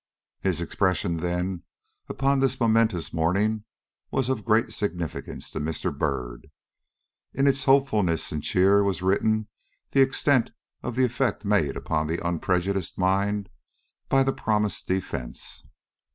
His expression, then, upon this momentous morning was of great significance to Mr. Byrd. In its hopefulness and cheer was written the extent of the effect made upon the unprejudiced mind by the promised defence.